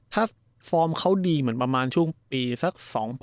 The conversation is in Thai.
ถ้าฟอร์มเขาดีเหมือนประมาณช่วงปีสัก๒๐